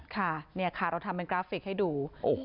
ค่ะเราทำเป็นกราฟิกให้ดู